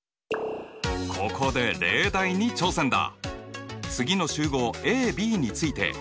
ここで例題に挑戦だ！